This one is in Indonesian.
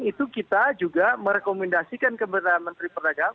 itu kita juga merekomendasikan kepada menteri perdagangan